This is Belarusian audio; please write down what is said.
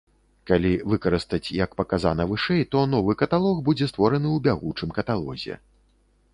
Калі выкарыстаць як паказана вышэй, то новы каталог будзе створаны ў бягучым каталозе.